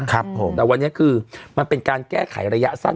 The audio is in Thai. ครับผมแต่วันนี้คือมันเป็นการแก้ไขระยะสั้น